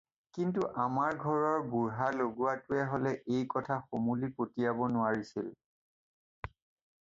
কিন্তু আমাৰ ঘৰৰ বুঢ়া লগুৱাটোৱে হ'লে এই কথা সমূলি পতিয়াব নোৱাৰিছিল।